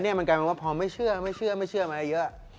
นี่มันกลายเป็นว่าพอไม่เชื่อออกมาเยอะ